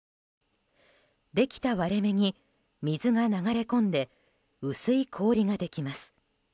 できた割れ目に水が流れ込んで薄い氷ができます。